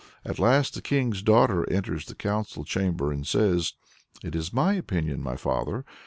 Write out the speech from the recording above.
At last the king's daughter enters the council chamber and says, "This is my opinion, my father.